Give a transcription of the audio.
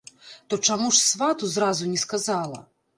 То чаму ж свату зразу не сказала?